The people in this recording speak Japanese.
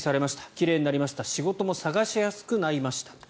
奇麗になりました仕事も探しやすくなりました。